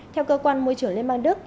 theo cơ quan môi trường liên bang đức